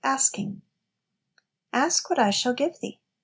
ASKING. ♦Ask what I shall give thee."